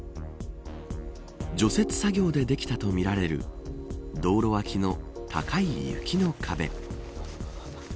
除雪作業でできたとみられる道路脇の高い雪の壁。